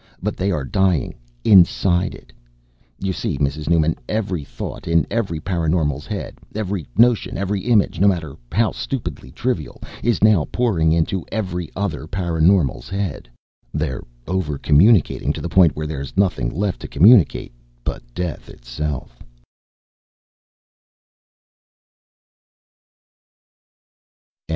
But they are dying inside it. You see, Mrs. Newman, every thought in every paraNormal's head, every notion, every image, no matter how stupidly trivial, is now pouring into every other paraNormal's head. They're over communicating to the point where there's nothing left to communicate but death itself!"